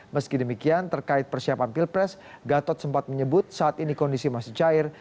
meski demikian terkait persiapan pilpres gatot sempat menyebut saat ini kondisi masih cair